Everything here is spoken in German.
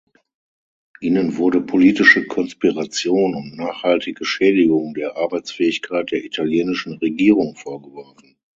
Ihnen wurde „politische Konspiration“ und nachhaltige Schädigung der Arbeitsfähigkeit der italienischen Regierung vorgeworfen.